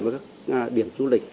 với các điểm du lịch